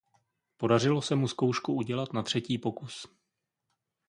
Podařilo se mu zkoušku udělat na třetí pokus.